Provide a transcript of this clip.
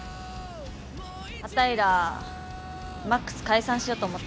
あたいら魔苦須解散しようと思ってんだ。